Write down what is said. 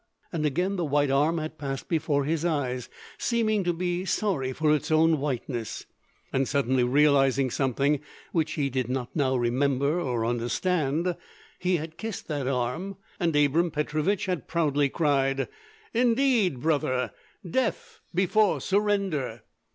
And again the white arm had passed before his eyes, seeming to be sorry for its own whiteness, and suddenly realizing something (which he did not now remember or understand), he had kissed that arm, and Abram Petrovich had proudly cried: "Indeed, brother, death before surrender!"